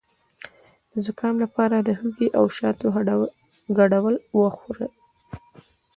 د زکام لپاره د هوږې او شاتو ګډول وخورئ